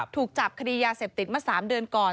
ถูกจับคดียาเสพติดมา๓เดือนก่อน